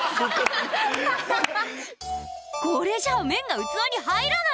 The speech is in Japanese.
これじゃあ麺が器に入らない！